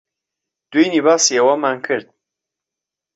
دوێنێ باسی ئەوەمان کرد.